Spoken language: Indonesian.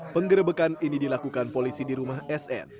penggerebekan ini dilakukan polisi di rumah sn